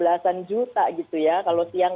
lima belas an juta gitu ya kalau siang